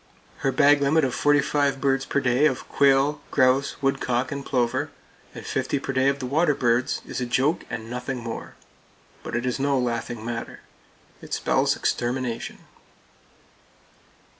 Her bag limit of forty five birds per day of quail, grouse, woodcock and plover, and fifty per day of the waterbirds, is a joke, and nothing more; but it is no laughing matter. It spells extermination.